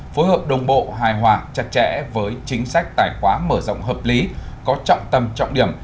phối hợp đồng bộ hài hòa chặt chẽ với chính sách tài khoá mở rộng hợp lý có trọng tâm trọng điểm